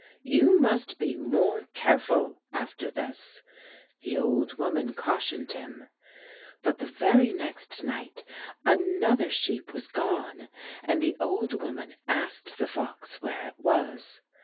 "You must be more careful after this," the old woman cautioned him. But the very next night another sheep was gone, and the old Voman asked the fox where it was.